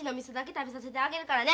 食べさせてあげるからね。